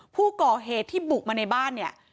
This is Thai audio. ผู้ก่อเหตุที่บุกมาในบ้านเนี่ย